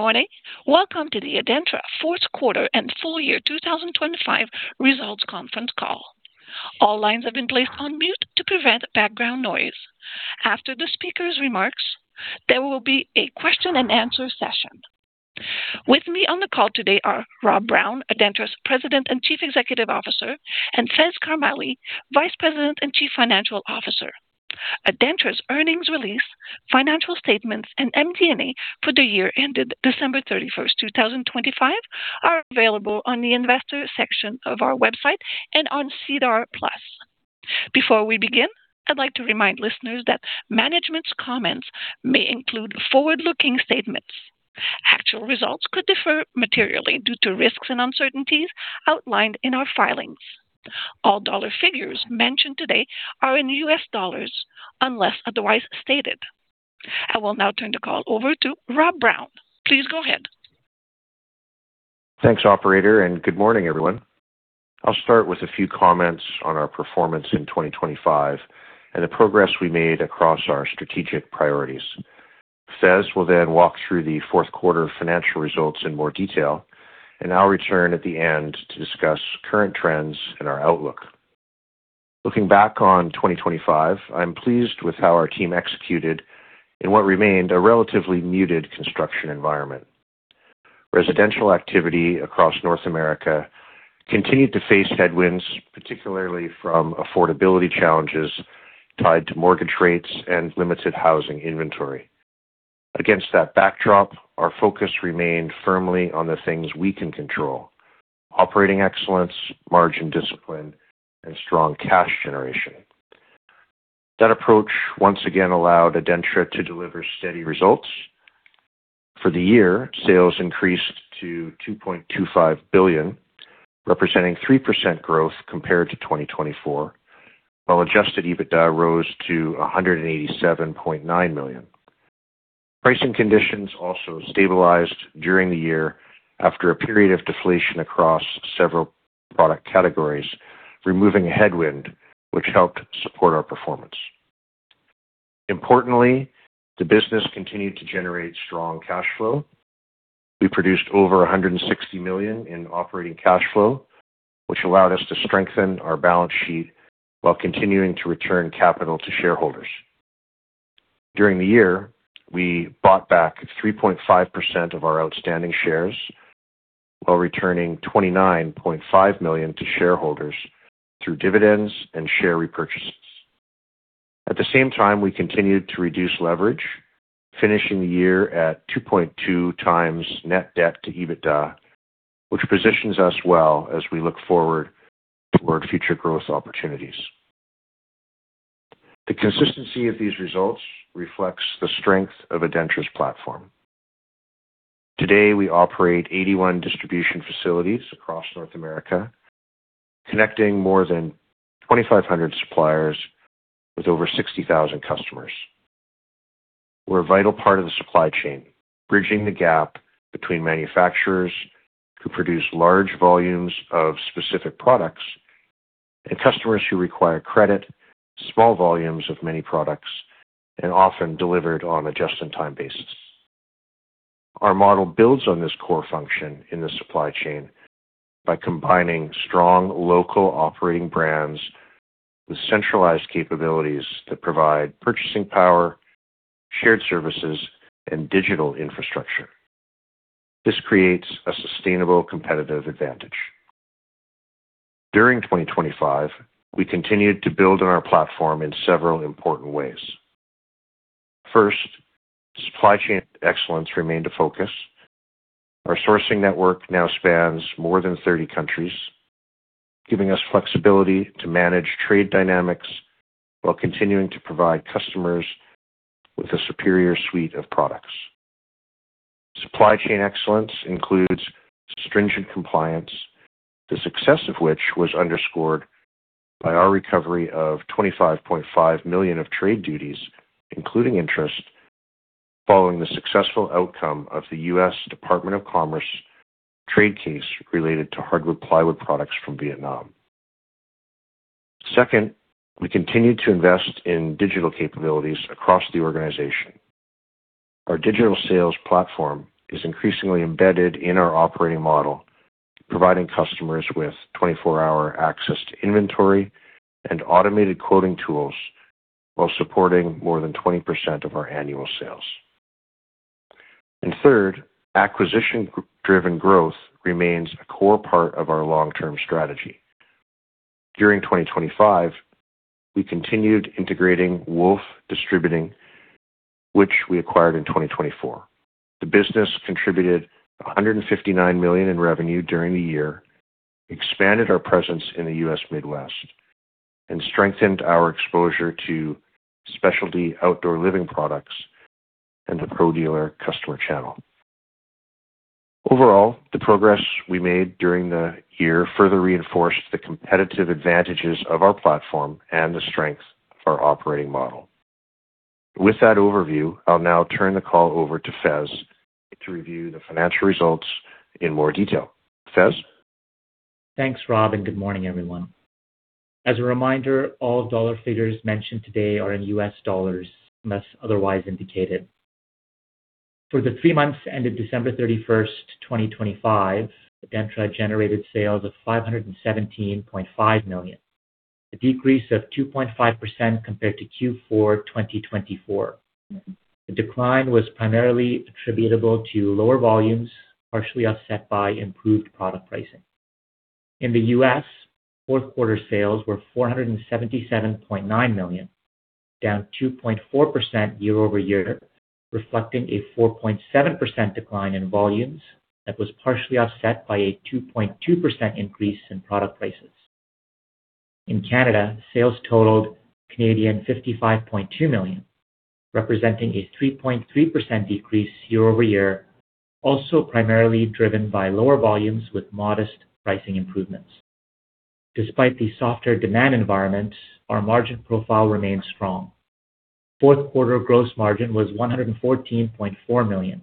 Good morning. Welcome to the ADENTRA Fourth Quarter and Full-Year 2025 Results Conference Call. All lines have been placed on mute to prevent background noise. After the speaker's remarks, there will be a question and answer session. With me on the call today are Rob Brown, ADENTRA's President and Chief Executive Officer, and Faiz Karmally, Vice President and Chief Financial Officer. ADENTRA's earnings release, financial statements, and MD&A for the year ended December 31, 2025 are available on the investor section of our website and on SEDAR+. Before we begin, I'd like to remind listeners that management's comments may include forward-looking statements. Actual results could differ materially due to risks and uncertainties outlined in our filings. All dollar figures mentioned today are in U.S. dollars unless otherwise stated. I will now turn the call over to Rob Brown. Please go ahead. Thanks, operator, and good morning, everyone. I'll start with a few comments on our performance in 2025 and the progress we made across our strategic priorities. Faiz will then walk through the fourth quarter financial results in more detail, and I'll return at the end to discuss current trends and our outlook. Looking back on 2025, I'm pleased with how our team executed in what remained a relatively muted construction environment. Residential activity across North America continued to face headwinds, particularly from affordability challenges tied to mortgage rates and limited housing inventory. Against that backdrop, our focus remained firmly on the things we can control, operating excellence, margin discipline, and strong cash generation. That approach once again allowed ADENTRA to deliver steady results. For the year, sales increased to 2.25 billion, representing 3% growth compared to 2024, while adjusted EBITDA rose to CAD 187.9 million. Pricing conditions also stabilized during the year after a period of deflation across several product categories, removing a headwind which helped support our performance. Importantly, the business continued to generate strong cash flow. We produced over 160 million in operating cash flow, which allowed us to strengthen our balance sheet while continuing to return capital to shareholders. During the year, we bought back 3.5% of our outstanding shares while returning 29.5 million to shareholders through dividends and share repurchases. At the same time, we continued to reduce leverage, finishing the year at 2.2 times net debt to EBITDA, which positions us well as we look forward toward future growth opportunities. The consistency of these results reflects the strength of ADENTRA's platform. Today, we operate 81 distribution facilities across North America, connecting more than 2,500 suppliers with over 60,000 customers. We're a vital part of the supply chain, bridging the gap between manufacturers who produce large volumes of specific products and customers who require credit, small volumes of many products, and often delivered on a just-in-time basis. Our model builds on this core function in the supply chain by combining strong local operating brands with centralized capabilities that provide purchasing power, shared services, and digital infrastructure. This creates a sustainable competitive advantage. During 2025, we continued to build on our platform in several important ways. First, supply chain excellence remained a focus. Our sourcing network now spans more than 30 countries, giving us flexibility to manage trade dynamics while continuing to provide customers with a superior suite of products. Supply chain excellence includes stringent compliance, the success of which was underscored by our recovery of $25.5 million of trade duties, including interest, following the successful outcome of the U.S. Department of Commerce trade case related to hardwood plywood products from Vietnam. Second, we continued to invest in digital capabilities across the organization. Our digital sales platform is increasingly embedded in our operating model, providing customers with 24-hour access to inventory and automated quoting tools while supporting more than 20% of our annual sales. Third, acquisition-driven growth remains a core part of our long-term strategy. During 2025, we continued integrating Woolf Distributing, which we acquired in 2024. The business contributed $159 million in revenue during the year, expanded our presence in the U.S. Midwest, and strengthened our exposure to specialty outdoor living products and the pro dealer customer channel. Overall, the progress we made during the year further reinforced the competitive advantages of our platform and the strength of our operating model. With that overview, I'll now turn the call over to Faiz to review the financial results in more detail. Faiz? Thanks, Rob, and good morning, everyone. As a reminder, all dollar figures mentioned today are in U.S. dollars unless otherwise indicated. For the three months ended December 31, 2025, ADENTRA generated sales of $517.5 million, a decrease of 2.5% compared to Q4 2024. The decline was primarily attributable to lower volumes, partially offset by improved product pricing. In the U.S., fourth quarter sales were $477.9 million, down 2.4% year-over-year, reflecting a 4.7% decline in volumes that was partially offset by a 2.2% increase in product prices. In Canada, sales totaled 55.2 million, representing a 3.3% decrease year-over-year, also primarily driven by lower volumes with modest pricing improvements. Despite the softer demand environment, our margin profile remains strong. Fourth quarter gross margin was $114.4 million,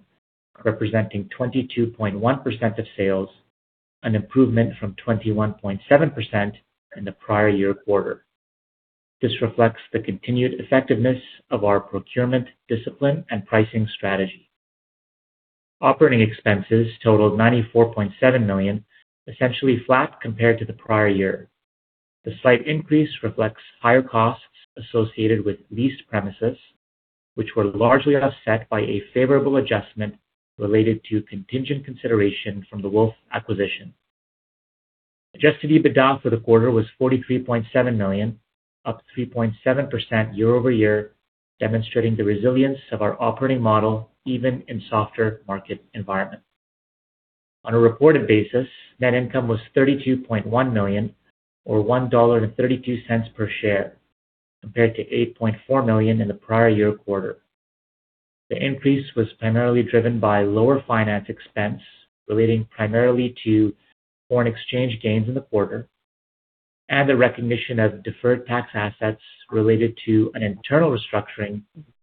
representing 22.1% of sales, an improvement from 21.7% in the prior year quarter. This reflects the continued effectiveness of our procurement discipline and pricing strategy. Operating expenses totaled $94.7 million, essentially flat compared to the prior year. The slight increase reflects higher costs associated with leased premises, which were largely offset by a favorable adjustment related to contingent consideration from the Woolf acquisition. Adjusted EBITDA for the quarter was $43.7 million, up 3.7% year-over-year, demonstrating the resilience of our operating model even in softer market environment. On a reported basis, net income was $32.1 million or $1.32 per share, compared to $8.4 million in the prior year quarter. The increase was primarily driven by lower finance expense relating primarily to foreign exchange gains in the quarter and the recognition of deferred tax assets related to an internal restructuring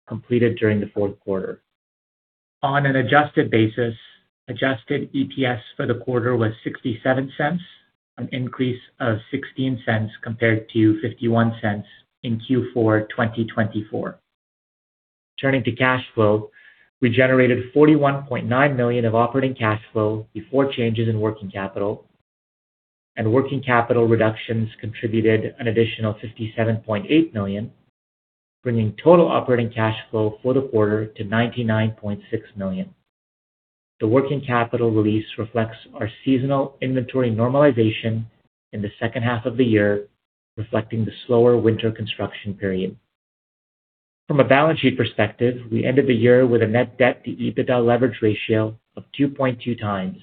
completed during the fourth quarter. On an adjusted basis, adjusted EPS for the quarter was 0.67, an increase of 0.16 compared to 0.51 in Q4 2024. Turning to cash flow, we generated 41.9 million of operating cash flow before changes in working capital, and working capital reductions contributed an additional 57.8 million, bringing total operating cash flow for the quarter to 99.6 million. The working capital release reflects our seasonal inventory normalization in the second half of the year, reflecting the slower winter construction period. From a balance sheet perspective, we ended the year with a net debt to EBITDA leverage ratio of 2.2 times,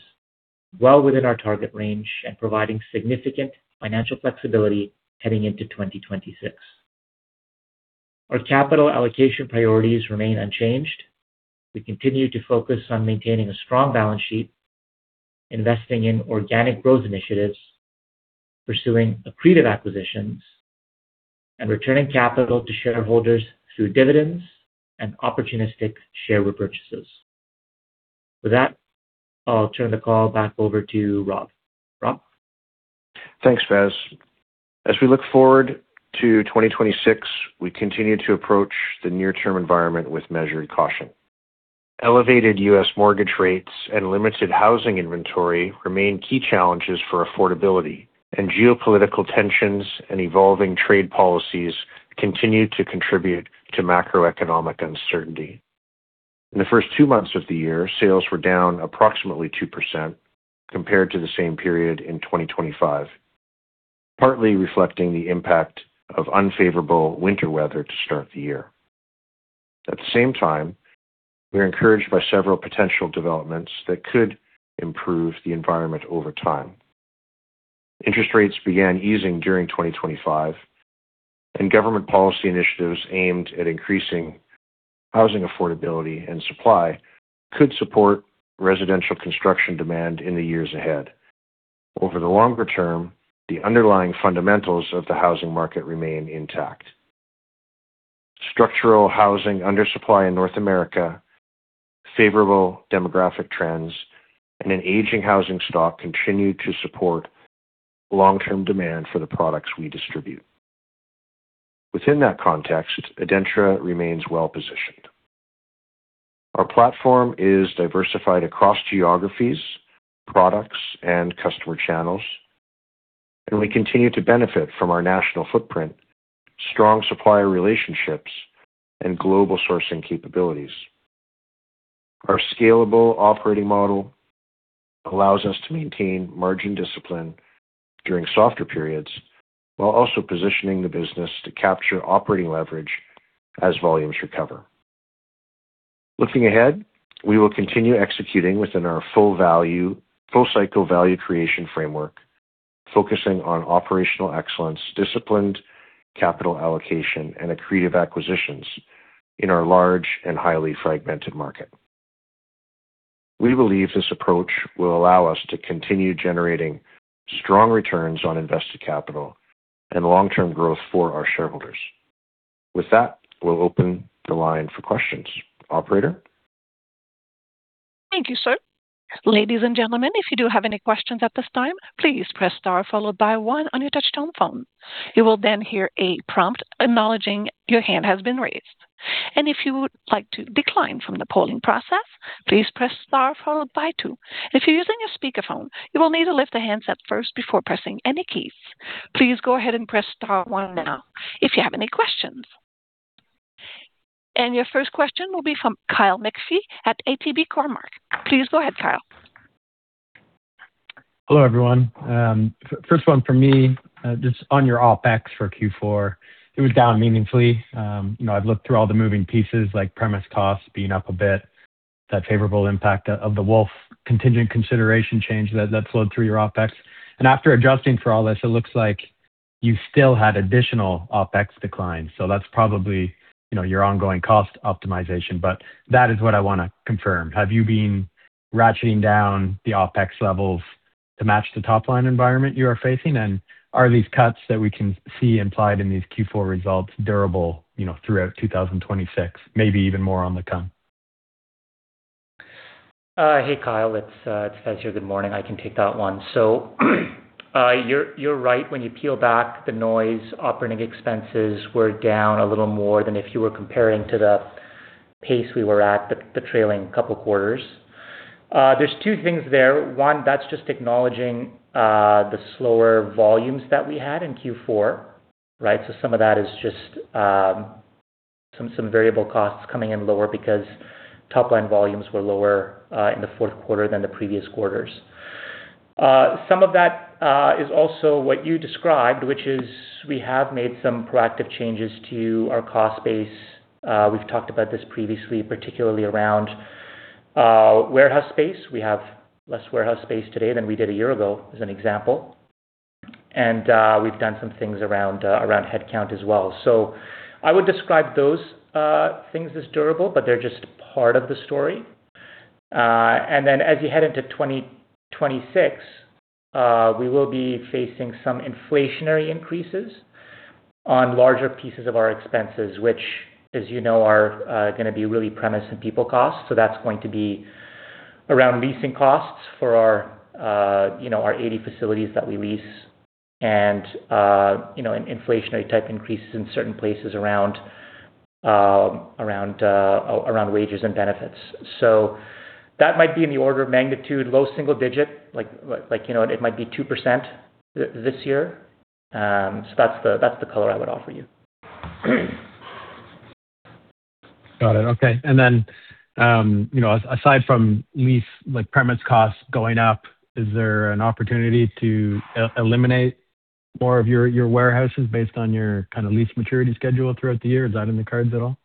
well within our target range and providing significant financial flexibility heading into 2026. Our capital allocation priorities remain unchanged. We continue to focus on maintaining a strong balance sheet, investing in organic growth initiatives, pursuing accretive acquisitions, and returning capital to shareholders through dividends and opportunistic share repurchases. With that, I'll turn the call back over to Rob. Rob? Thanks, Faiz. As we look forward to 2026, we continue to approach the near-term environment with measured caution. Elevated U.S. mortgage rates and limited housing inventory remain key challenges for affordability, and geopolitical tensions and evolving trade policies continue to contribute to macroeconomic uncertainty. In the first two months of the year, sales were down approximately 2% compared to the same period in 2025, partly reflecting the impact of unfavorable winter weather to start the year. At the same time, we are encouraged by several potential developments that could improve the environment over time. Interest rates began easing during 2025, and government policy initiatives aimed at increasing housing affordability and supply could support residential construction demand in the years ahead. Over the longer term, the underlying fundamentals of the housing market remain intact. Structural housing undersupply in North America, favorable demographic trends, and an aging housing stock continue to support long-term demand for the products we distribute. Within that context, ADENTRA remains well-positioned. Our platform is diversified across geographies, products, and customer channels, and we continue to benefit from our national footprint, strong supplier relationships, and global sourcing capabilities. Our scalable operating model allows us to maintain margin discipline during softer periods while also positioning the business to capture operating leverage as volumes recover. Looking ahead, we will continue executing within our full value, full cycle value creation framework, focusing on operational excellence, disciplined capital allocation, and accretive acquisitions in our large and highly fragmented market. We believe this approach will allow us to continue generating strong returns on invested capital and long-term growth for our shareholders. With that, we'll open the line for questions. Operator? Thank you, sir. Ladies and gentlemen, if you do have any questions at this time, please press star followed by one on your touchtone phone. You will then hear a prompt acknowledging your hand has been raised. If you would like to decline from the polling process, please press star followed by two. If you're using a speakerphone, you will need to lift the handset first before pressing any keys. Please go ahead and press star one now if you have any questions. Your first question will be from Kyle McPhee at ATB Capital Markets. Please go ahead, Kyle. Hello, everyone. First one for me, just on your OpEx for Q4, it was down meaningfully. You know, I've looked through all the moving pieces like premises costs being up a bit, that favorable impact of the Woolf contingent consideration change that flowed through your OpEx. After adjusting for all this, it looks like you still had additional OpEx declines. That's probably, you know, your ongoing cost optimization. That is what I wanna confirm. Have you been ratcheting down the OpEx levels to match the top line environment you are facing? Are these cuts that we can see implied in these Q4 results durable, you know, throughout 2026, maybe even more on the come? Hey, Kyle. It's Faiz here. Good morning. I can take that one. You're right. When you peel back the noise, operating expenses were down a little more than if you were comparing to the pace we were at the trailing couple quarters. There's two things there. One, that's just acknowledging the slower volumes that we had in Q4, right? Some of that is just some variable costs coming in lower because top line volumes were lower in the fourth quarter than the previous quarters. Some of that is also what you described, which is we have made some proactive changes to our cost base. We've talked about this previously, particularly around warehouse space. We have less warehouse space today than we did a year ago, as an example. We've done some things around headcount as well. I would describe those things as durable, but they're just part of the story. As you head into 2026, we will be facing some inflationary increases on larger pieces of our expenses, which, as you know, are gonna be really premises and people costs. That's going to be around leasing costs for our 80 facilities that we lease and inflationary type increases in certain places around wages and benefits. That might be in the order of magnitude, low single digit, like you know, it might be 2% this year. That's the color I would offer you. Got it. Okay. You know, aside from lease premises costs going up, like, is there an opportunity to eliminate more of your warehouses based on your kind of lease maturity schedule throughout the year? Is that in the cards at all?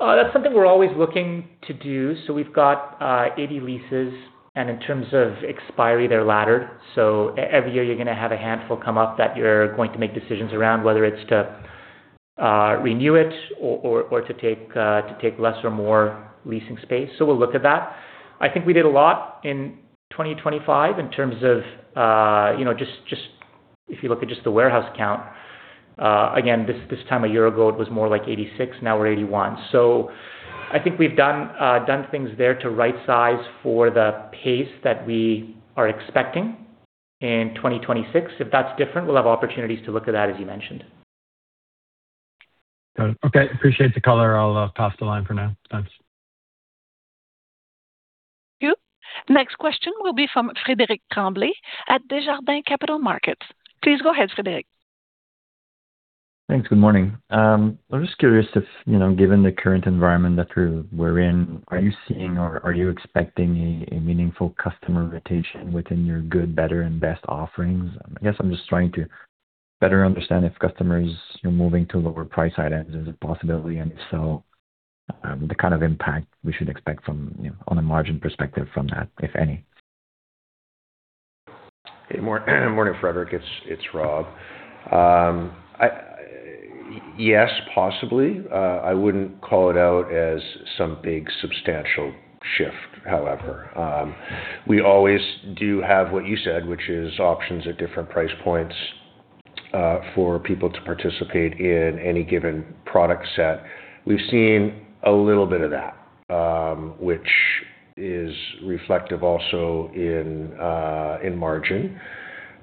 That's something we're always looking to do. We've got 80 leases, and in terms of expiry, they're laddered. Every year you're gonna have a handful come up that you're going to make decisions around whether it's to renew it or to take less or more leasing space. We'll look at that. I think we did a lot in 2025 in terms of, you know, if you look at the warehouse count, again, this time a year ago it was more like 86, now we're 81. I think we've done things there to rightsize for the pace that we are expecting in 2026. If that's different, we'll have opportunities to look at that, as you mentioned. Got it. Okay. Appreciate the color. I'll pass the line for now. Thanks. Thank you. Next question will be from Frederic Tremblay at Desjardins Capital Markets. Please go ahead, Frederic. Thanks. Good morning. I'm just curious if, you know, given the current environment that we're in, are you seeing or are you expecting a meaningful customer rotation within your good, better and best offerings? I guess I'm just trying to better understand if customers, you know, moving to lower price items is a possibility, and if so, the kind of impact we should expect from, you know, on a margin perspective from that, if any. Hey, morning, Frederic. It's Rob. Yes, possibly. I wouldn't call it out as some big substantial shift. However, we always do have what you said, which is options at different price points for people to participate in any given product set. We've seen a little bit of that, which is reflective also in margin.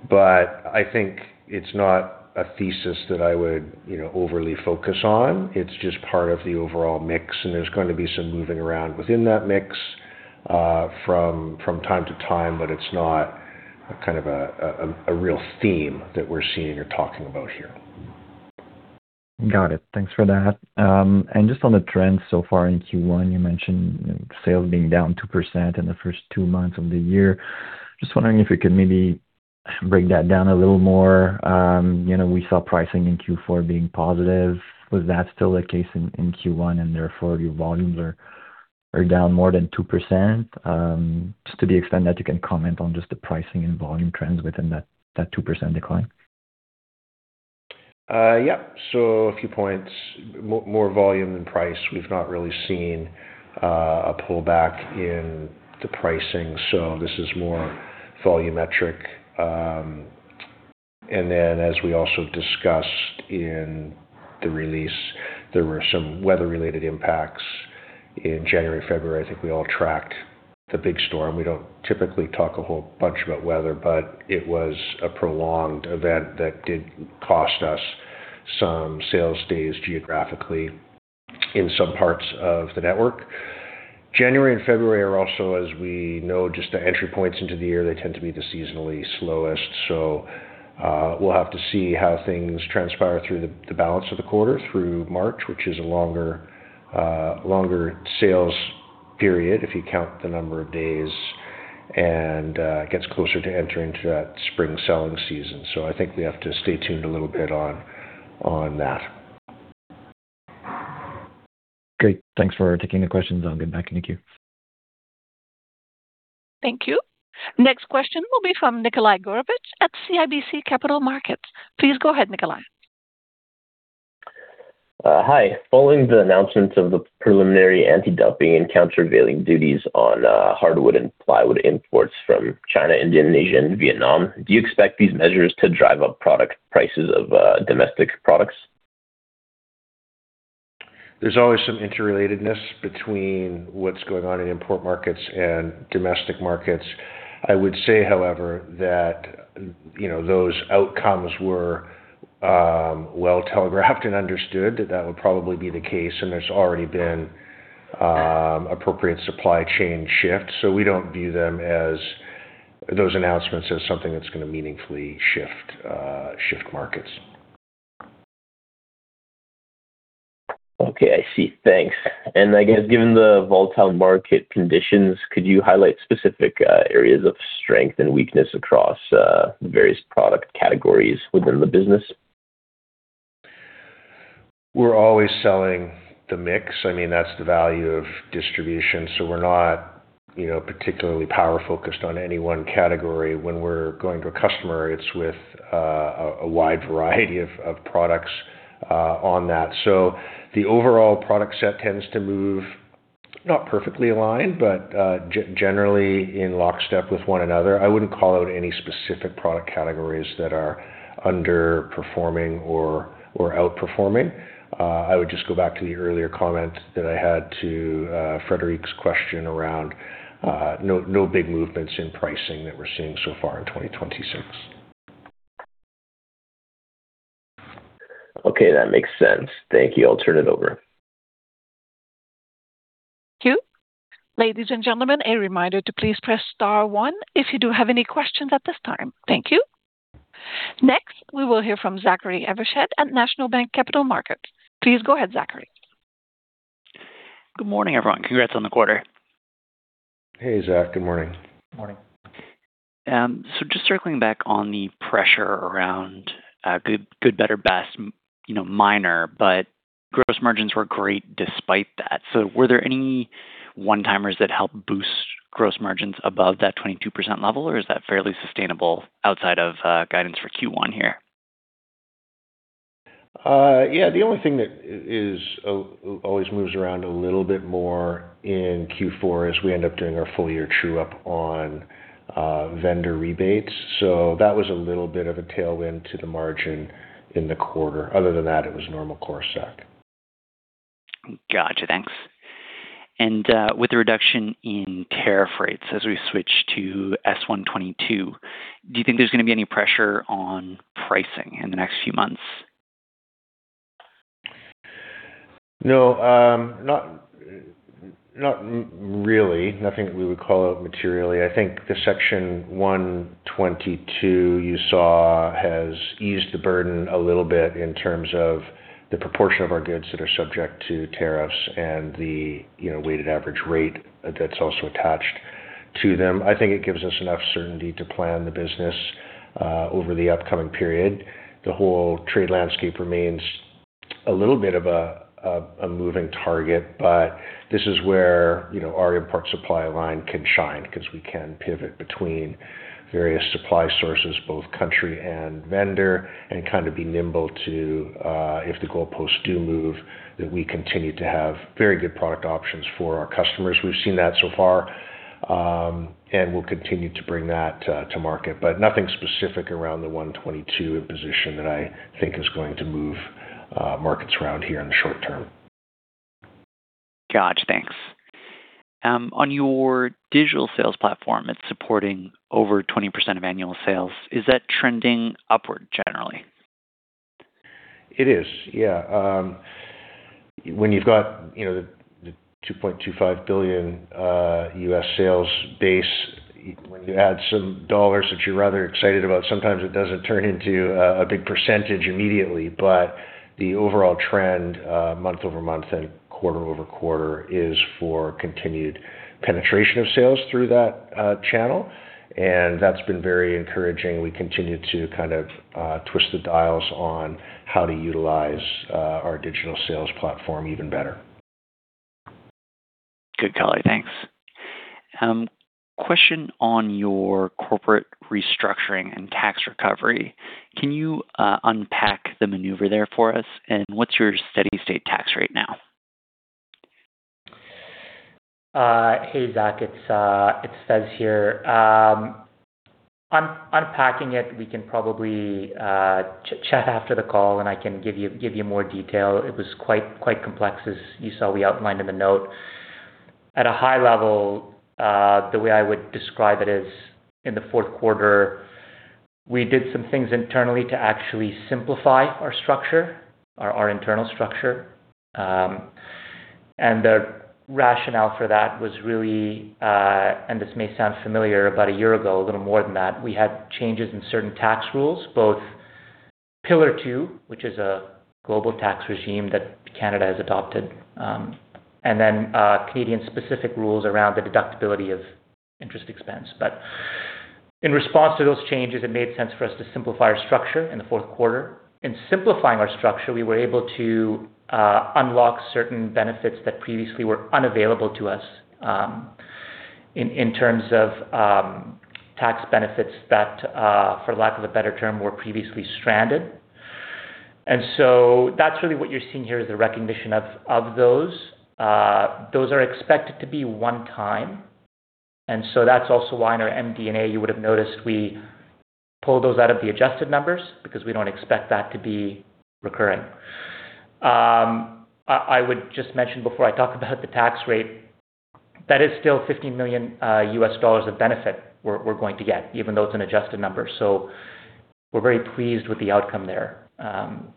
But I think it's not a thesis that I would, you know, overly focus on. It's just part of the overall mix, and there's going to be some moving around within that mix from time to time. But it's not a kind of real theme that we're seeing or talking about here. Got it. Thanks for that. Just on the trends so far in Q1, you mentioned sales being down 2% in the first two months of the year. Just wondering if you could maybe break that down a little more. You know, we saw pricing in Q4 being positive. Was that still the case in Q1 and therefore your volumes are down more than 2%? Just to the extent that you can comment on just the pricing and volume trends within that 2% decline. A few points. More volume than price. We've not really seen a pullback in the pricing, so this is more volumetric. Then as we also discussed in the release, there were some weather-related impacts in January, February. I think we all tracked the big storm. We don't typically talk a whole bunch about weather, but it was a prolonged event that did cost us some sales days geographically in some parts of the network. January and February are also, as we know, just the entry points into the year. They tend to be the seasonally slowest. We'll have to see how things transpire through the balance of the quarter through March, which is a longer sales period if you count the number of days and gets closer to entering into that spring selling season. I think we have to stay tuned a little bit on that. Great. Thanks for taking the questions. I'll get back in the queue. Thank you. Next question will be from Nikolai Goroupitch at CIBC Capital Markets. Please go ahead, Nikolai. Hi. Following the announcement of the preliminary antidumping and countervailing duties on hardwood and plywood imports from China, Indonesia, and Vietnam, do you expect these measures to drive up product prices of domestic products? There's always some interrelatedness between what's going on in import markets and domestic markets. I would say, however, that, you know, those outcomes were, well telegraphed and understood that that would probably be the case, and there's already been, appropriate supply chain shifts. We don't view them as those announcements as something that's gonna meaningfully shift markets. Okay, I see. Thanks. I guess given the volatile market conditions, could you highlight specific areas of strength and weakness across various product categories within the business? We're always selling the mix. I mean, that's the value of distribution. We're not, you know, particularly power focused on any one category. When we're going to a customer, it's with a wide variety of products on that. The overall product set tends to move not perfectly aligned, but generally in lockstep with one another. I wouldn't call out any specific product categories that are underperforming or outperforming. I would just go back to the earlier comment that I had to Frederic's question around no big movements in pricing that we're seeing so far in 2026. Okay, that makes sense. Thank you. I'll turn it over. Thank you. Ladies and gentlemen, a reminder to please press star one if you do have any questions at this time. Thank you. Next, we will hear from Zachary Evershed at National Bank Capital Markets. Please go ahead, Zachary. Good morning, everyone. Congrats on the quarter. Hey, Zach. Good morning. Morning. Just circling back on the pressure around good, better, best, you know, minor, but gross margins were great despite that. Were there any one-timers that helped boost gross margins above that 22% level, or is that fairly sustainable outside of guidance for Q1 here? Yeah, the only thing that always moves around a little bit more in Q4 is we end up doing our full year true-up on vendor rebates. That was a little bit of a tailwind to the margin in the quarter. Other than that, it was normal course SEC. Gotcha. Thanks. With the reduction in tariff rates as we switch to Section 122, do you think there's gonna be any pressure on pricing in the next few months? No. Not really. Nothing we would call out materially. I think the Section 122 you saw has eased the burden a little bit in terms of the proportion of our goods that are subject to tariffs and the weighted average rate that's also attached to them. I think it gives us enough certainty to plan the business over the upcoming period. The whole trade landscape remains a little bit of a moving target, but this is where our import supply line can shine 'cause we can pivot between various supply sources, both country and vendor, and kind of be nimble to if the goalposts do move, that we continue to have very good product options for our customers. We've seen that so far, and we'll continue to bring that to market. Nothing specific around the 122 imposition that I think is going to move markets around here in the short term. Gotcha. Thanks. On your digital sales platform, it's supporting over 20% of annual sales. Is that trending upward generally? It is, yeah. When you've got, you know, the $2.25 billion U.S. sales base, when you add some dollars that you're rather excited about, sometimes it doesn't turn into a big percentage immediately. The overall trend, month-over-month and quarter-over-quarter is for continued penetration of sales through that channel, and that's been very encouraging. We continue to kind of twist the dials on how to utilize our digital sales platform even better. Good call. Thanks. Question on your corporate restructuring and tax recovery. Can you unpack the maneuver there for us? What's your steady-state tax rate now? Hey, Zach, it's Faiz here. Unpacking it, we can probably chat after the call, and I can give you more detail. It was quite complex, as you saw we outlined in the note. At a high level, the way I would describe it is in the fourth quarter, we did some things internally to actually simplify our structure, our internal structure. The rationale for that was really, and this may sound familiar, about a year ago, a little more than that, we had changes in certain tax rules, both Pillar Two, which is a global tax regime that Canada has adopted, and then, Canadian specific rules around the deductibility of interest expense. In response to those changes, it made sense for us to simplify our structure in the fourth quarter. In simplifying our structure, we were able to unlock certain benefits that previously were unavailable to us, in terms of tax benefits that, for lack of a better term, were previously stranded. That's really what you're seeing here is the recognition of those. Those are expected to be one time. That's also why in our MD&A, you would have noticed we pull those out of the adjusted numbers because we don't expect that to be recurring. I would just mention before I talk about the tax rate, that is still $50 million of benefit we're going to get, even though it's an adjusted number. We're very pleased with the outcome there.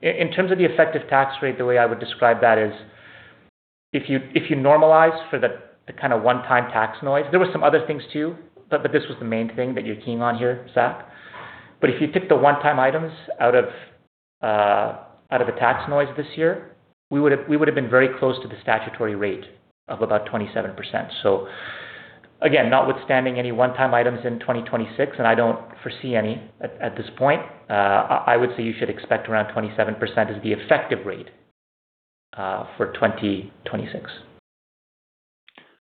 In terms of the effective tax rate, the way I would describe that is if you normalize for the kind of one-time tax noise, there were some other things too, but this was the main thing that you're keen on here, Zach. If you took the one-time items out of the tax noise this year, we would have been very close to the statutory rate of about 27%. Again, notwithstanding any one-time items in 2026, and I don't foresee any at this point, I would say you should expect around 27% as the effective rate for 2026.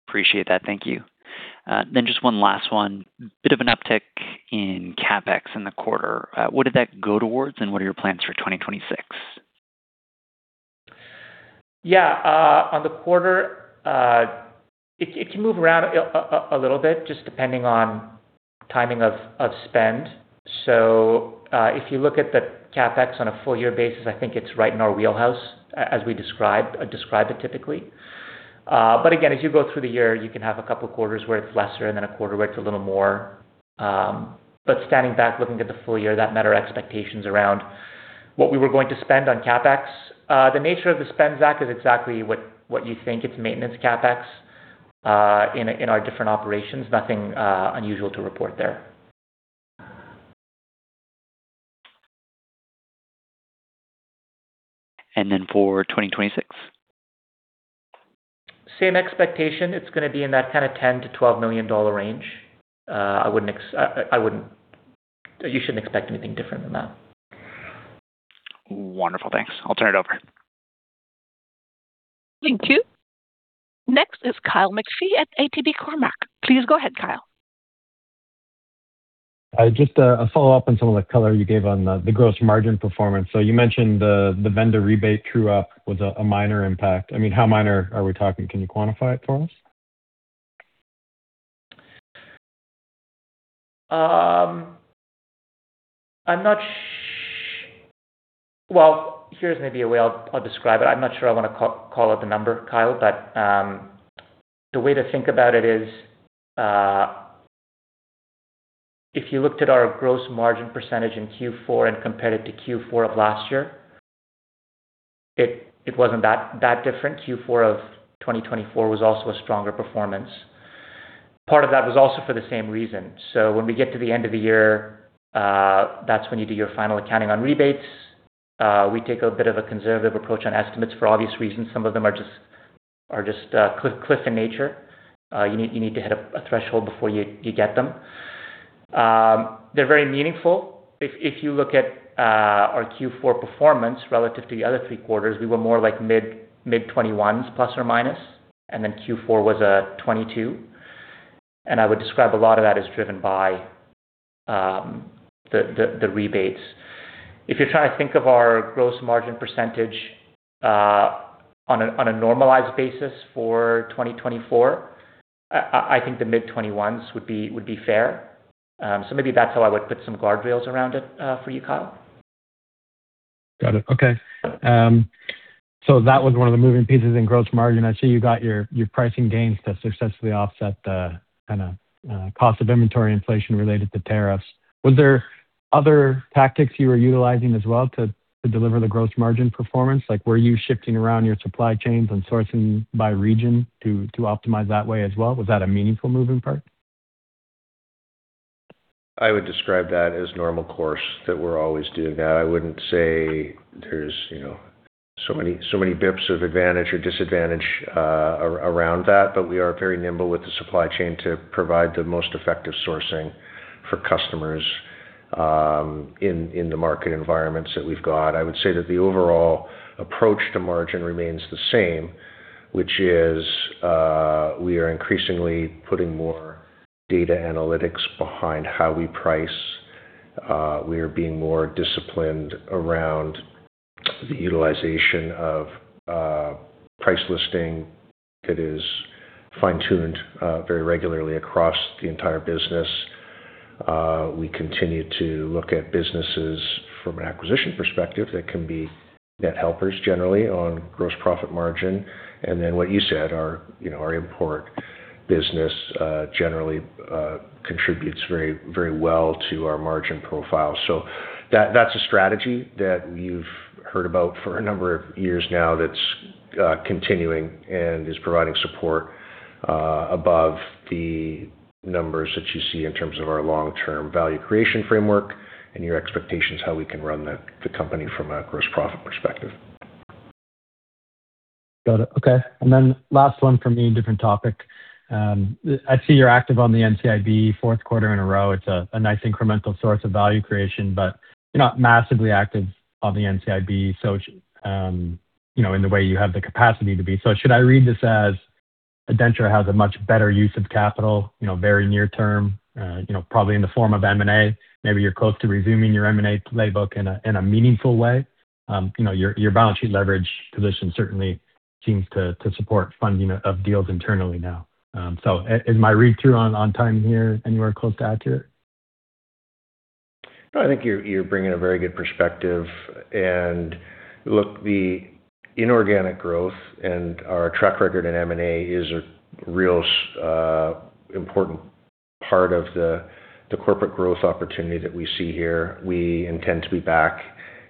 Appreciate that. Thank you. Just one last one. Bit of an uptick in CapEx in the quarter. What did that go towards, and what are your plans for 2026? Yeah. On the quarter, it can move around a little bit just depending on timing of spend. If you look at the CapEx on a full-year basis, I think it's right in our wheelhouse, as we describe it typically. Again, as you go through the year, you can have a couple of quarters where it's lesser and then a quarter where it's a little more. Standing back, looking at the full year, that met our expectations around what we were going to spend on CapEx. The nature of the spend, Zach, is exactly what you think. It's maintenance CapEx in our different operations. Nothing unusual to report there. And then for twenty-twenty six. Same expectation. It's gonna be in that kind of $10 million-$12 million range. You shouldn't expect anything different than that. Wonderful. Thanks. I'll turn it over. Thank you. Next is Kyle McPhee at ATB Capital Markets. Please go ahead, Kyle. Just a follow-up on some of the color you gave on the gross margin performance. You mentioned the vendor rebate true up was a minor impact. I mean, how minor are we talking? Can you quantify it for us? Well, here's maybe a way I'll describe it. I'm not sure I want to call out the number, Kyle, but the way to think about it is, if you looked at our gross margin percentage in Q4 and compared it to Q4 of last year, it wasn't that different. Q4 of 2024 was also a stronger performance. Part of that was also for the same reason. When we get to the end of the year, that's when you do your final accounting on rebates. We take a bit of a conservative approach on estimates for obvious reasons. Some of them are just cliff in nature. You need to hit a threshold before you get them. They're very meaningful. If you look at our Q4 performance relative to the other three quarters, we were more like mid 21s% ±, and then Q4 was a 22%. I would describe a lot of that as driven by the rebates. If you're trying to think of our gross margin percentage on a normalized basis for 2024, I think the mid 21s% would be fair. Maybe that's how I would put some guardrails around it for you, Kyle. Got it. Okay. That was one of the moving pieces in gross margin. I see you got your pricing gains to successfully offset the kinda cost of inventory inflation related to tariffs. Was there other tactics you were utilizing as well to deliver the gross margin performance? Like, were you shifting around your supply chains and sourcing by region to optimize that way as well? Was that a meaningful moving part? I would describe that as normal course that we're always doing that. I wouldn't say there's, you know, so many basis points of advantage or disadvantage around that. We are very nimble with the supply chain to provide the most effective sourcing for customers in the market environments that we've got. I would say that the overall approach to margin remains the same, which is we are increasingly putting more data analytics behind how we price. We are being more disciplined around the utilization of price listing that is fine-tuned very regularly across the entire business. We continue to look at businesses from an acquisition perspective that can be net helpers generally on gross profit margin. Then what you said, our, you know, our import business generally contributes very, very well to our margin profile. That, that's a strategy that you've heard about for a number of years now that's continuing and is providing support above the numbers that you see in terms of our long-term value creation framework and your expectations how we can run the company from a gross profit perspective. Got it. Okay. Last one from me, different topic. I see you're active on the NCIB fourth quarter in a row. It's a nice incremental source of value creation, but you're not massively active on the NCIB. You know, in the way you have the capacity to be. Should I read this as ADENTRA has a much better use of capital, you know, very near term, you know, probably in the form of M&A. Maybe you're close to resuming your M&A playbook in a meaningful way. You know, your balance sheet leverage position certainly seems to support funding of deals internally now. Is my read through on timing here anywhere close to accurate? No, I think you're bringing a very good perspective. Look, the inorganic growth and our track record in M&A is a real important part of the corporate growth opportunity that we see here. We intend to be back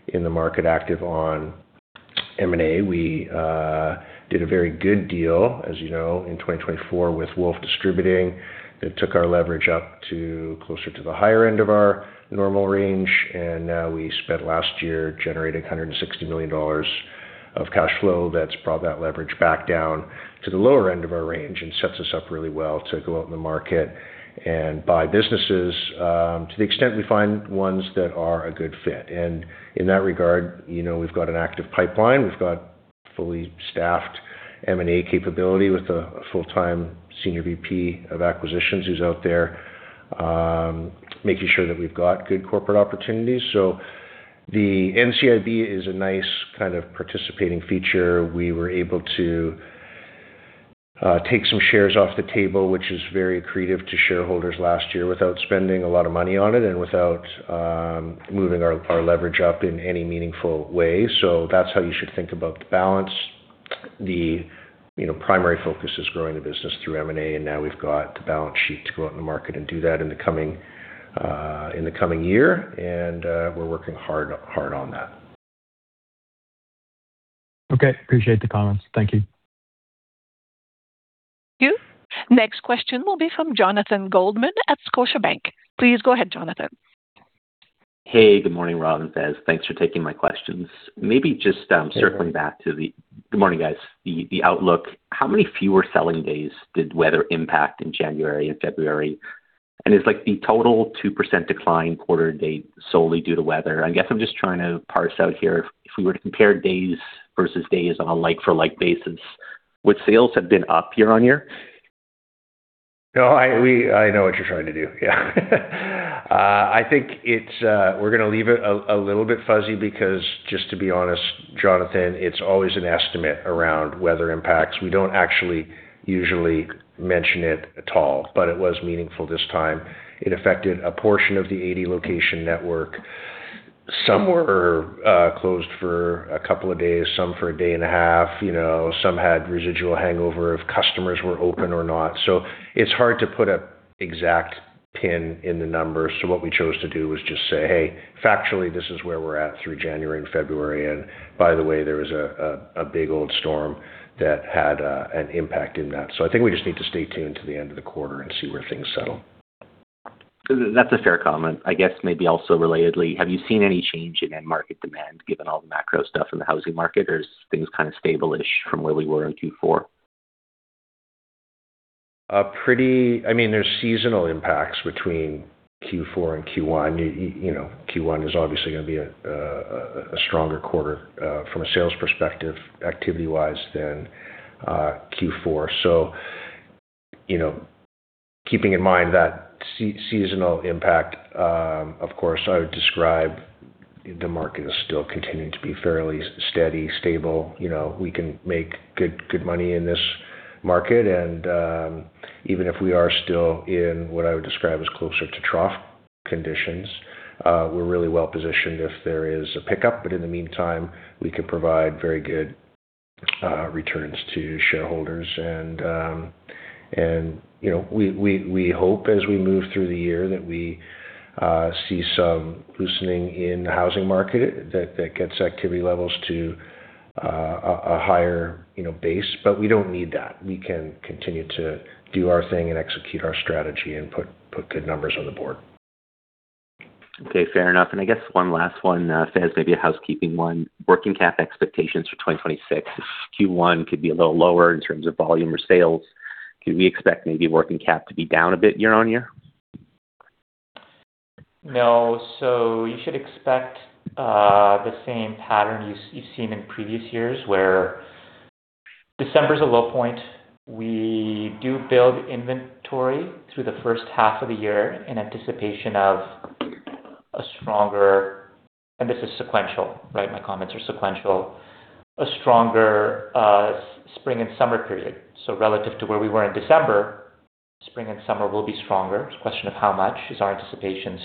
in the market active on M&A. We did a very good deal, as you know, in 2024 with Woolf Distributing that took our leverage up to closer to the higher end of our normal range. Now we spent last year generating 160 million dollars of cash flow that's brought that leverage back down to the lower end of our range and sets us up really well to go out in the market and buy businesses, to the extent we find ones that are a good fit. In that regard, you know, we've got an active pipeline. We've got fully staffed M&A capability with a full-time senior VP of acquisitions who's out there making sure that we've got good corporate opportunities. So the NCIB is a nice kind of participating feature. We were able to take some shares off the table, which is very accretive to shareholders last year without spending a lot of money on it and without moving our leverage up in any meaningful way. So that's how you should think about the balance. The, you know, primary focus is growing the business through M&A, and now we've got the balance sheet to go out in the market and do that in the coming year. We're working hard on that. Okay. Appreciate the comments. Thank you. Thank you. Next question will be from Jonathan Goldman at Scotiabank. Please go ahead, Jonathan. Hey, good morning, Rob and Faiz. Thanks for taking my questions. Maybe just, Hey, Jon. Good morning, guys. The outlook, how many fewer selling days did weather impact in January and February? Is like the total 2% decline quarter-to-date solely due to weather? I guess I'm just trying to parse out here, if we were to compare days versus days on a like-for-like basis, would sales have been up year-over-year? No, I know what you're trying to do. Yeah. I think it's, we're gonna leave it a little bit fuzzy because just to be honest, Jonathan, it's always an estimate around weather impacts. We don't actually usually mention it at all, but it was meaningful this time. It affected a portion of the 80 location network. Some were closed for a couple of days, some for a day and a half, you know. Some had residual hangover if customers were open or not. It's hard to put an exact pin in the numbers. What we chose to do was just say, "Hey, factually this is where we're at through January and February. By the way, there was a big old storm that had an impact in that." I think we just need to stay tuned to the end of the quarter and see where things settle. That's a fair comment. I guess maybe also relatedly, have you seen any change in end market demand given all the macro stuff in the housing market, or is things kind of stable-ish from where we were in Q4? I mean, there's seasonal impacts between Q4 and Q1. You know, Q1 is obviously gonna be a stronger quarter from a sales perspective, activity-wise than Q4. You know, keeping in mind that seasonal impact, of course, I would describe the market is still continuing to be fairly steady, stable. You know, we can make good money in this market and even if we are still in what I would describe as closer to trough conditions, we're really well positioned if there is a pickup. But in the meantime, we can provide very good returns to shareholders. You know, we hope as we move through the year that we see some loosening in the housing market that gets activity levels to a higher base. We don't need that. We can continue to do our thing and execute our strategy and put good numbers on the board. Okay. Fair enough. I guess one last one, Faiz, maybe a housekeeping one. Working cap expectations for 2026. If Q1 could be a little lower in terms of volume or sales, can we expect maybe working cap to be down a bit year-over-year? No. You should expect the same pattern you've seen in previous years where December is a low point. We do build inventory through the first half of the year in anticipation of a stronger spring and summer period. This is sequential, right? My comments are sequential. Relative to where we were in December, spring and summer will be stronger. It's a question of how much is our anticipation.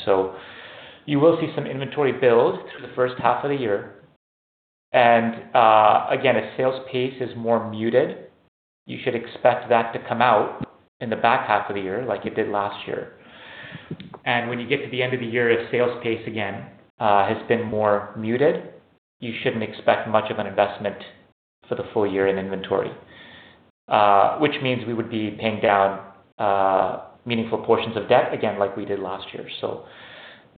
You will see some inventory build through the first half of the year. Again, if sales pace is more muted, you should expect that to come out in the back half of the year like it did last year. When you get to the end of the year, if sales pace again has been more muted, you shouldn't expect much of an investment for the full year in inventory, which means we would be paying down meaningful portions of debt again, like we did last year.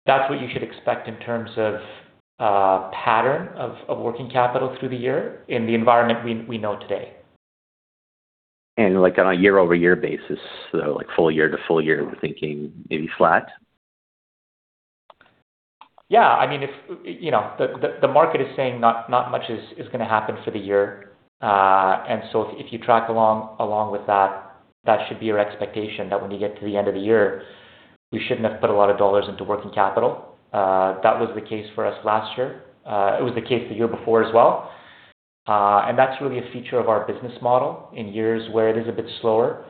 That's what you should expect in terms of pattern of working capital through the year in the environment we know today. Like on a year-over-year basis. Like full-year, to full-year, we're thinking maybe flat. Yeah. I mean, if you know, the market is saying not much is gonna happen for the year. If you track along with that should be your expectation that when you get to the end of the year, we shouldn't have put a lot of dollars into working capital. That was the case for us last year. It was the case the year before as well. That's really a feature of our business model. In years where it is a bit slower,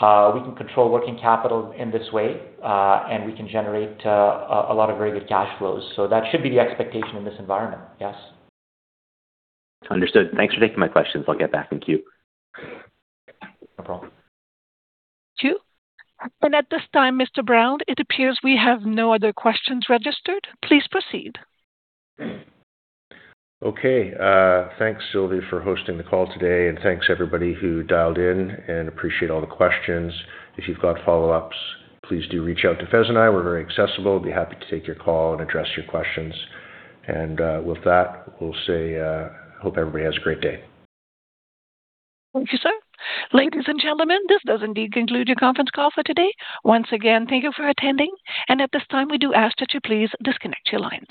we can control working capital in this way, and we can generate a lot of very good cash flows. That should be the expectation in this environment. Yes. Understood. Thanks for taking my questions. I'll get back in queue. No problem. Thank you. At this time, Mr. Brown, it appears we have no other questions registered. Please proceed. Okay. Thanks, Sylvia, for hosting the call today, and thanks everybody who dialed in and appreciate all the questions. If you've got follow-ups, please do reach out to Faiz Karmally and I. We're very accessible. Be happy to take your call and address your questions. With that, we'll say hope everybody has a great day. Thank you, sir. Ladies and gentlemen, this does indeed conclude your conference call for today. Once again, thank you for attending, and at this time, we do ask that you please disconnect your line.